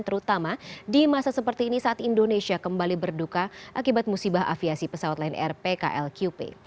terutama di masa seperti ini saat indonesia kembali berduka akibat musibah aviasi pesawat lion air pklqp